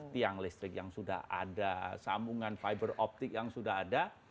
tiang listrik yang sudah ada sambungan fiber optik yang sudah ada